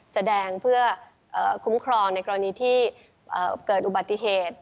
แสดงเพื่อคุ้มครองในกรณีที่เกิดอุบัติเหตุ